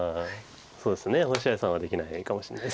そうですね星合さんはできないかもしれない。